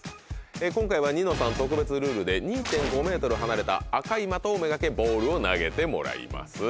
今回は『ニノさん』特別ルールで２．５ｍ離れた赤いマトをめがけボールを投げてもらいます。